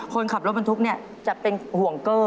คนขับรถบรรทุกจะเป็นห่วงเกอร์